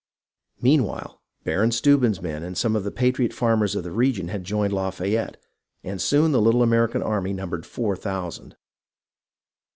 Meanwhile, Baron Steuben's men and some of the patriot farmers of the region had joined Lafayette, and soon the little American army numbered four thousand.